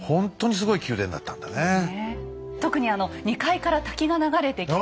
特にあの２階から滝が流れてきて。